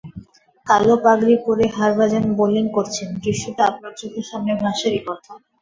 কালো পাগড়ি পরে হরভজন বোলিং করছেন, দৃশ্যটা আপনার চোখের সামনে ভাসারই কথা।